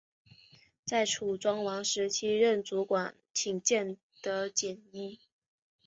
在楚庄王时期任主管进谏的箴尹。